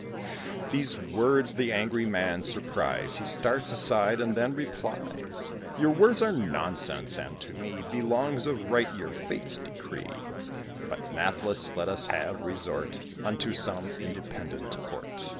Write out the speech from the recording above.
These words the angry Man surprise, He starts aside, and then replies "Your words are nonsense, and to me Belongs of right your fate's decree; But, nathless, let us have resort Unto some independent court."